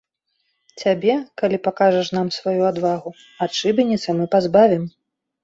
Цябе, калі пакажаш нам сваю адвагу, ад шыбеніцы мы пазбавім!